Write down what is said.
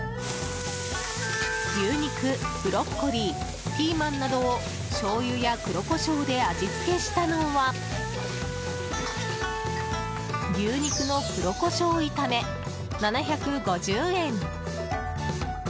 牛肉、ブロッコリーピーマンなどをしょうゆや黒こしょうで味付けしたのは牛肉の黒胡椒炒め、７５０円。